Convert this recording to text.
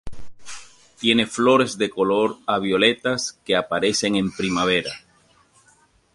Tiene flores de color a violetas que aparecen en primavera.